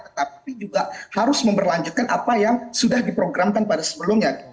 tetapi juga harus memperlanjutkan apa yang sudah diprogramkan pada sebelumnya